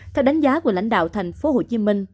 theo đánh giá của lãnh đạo thành phố hồ chí minh